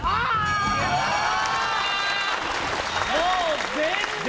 もう全然！